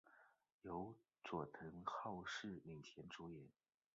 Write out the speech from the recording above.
由佐藤浩市领衔主演。